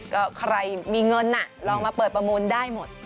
ก็ใครมีเงินลองมาเปิดประมูลได้หมด